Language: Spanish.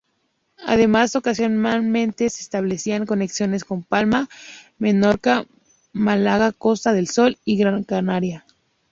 Además, ocasionalmente se establecían conexiones con Palma, Menorca, Málaga-Costa del Sol y Gran Canaria.